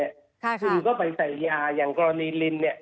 คุณก็ไปใส่ยาอย่างกรณีลิน